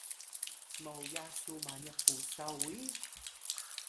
smoya su maniq qusaw uyi?